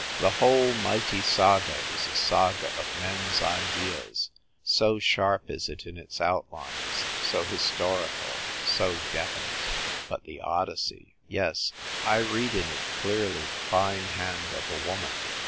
The whole mighty saga is a saga of men's ideas, so sharp is it in its outlines, so his torical, so definite. But the Odyssey ! Yes, I read in it clearly the fine hand of a woman.